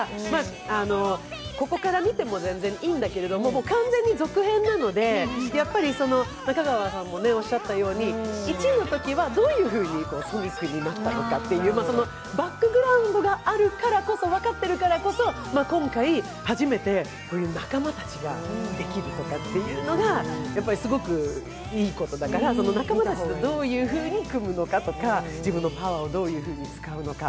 ここから見ても全然いいんだけれども、完全に続編なのでやっぱり中川さんもおっしゃったように、１のときはどういうふうにソニックになったのかというバックグラウンドがあるからこそ、分かっているからこそ、今回、初めて仲間たちができるとかというのがすごくいいことだから、仲間たちとどういうふうに組むのかとか自分のパワーをどういうふうに使うのか。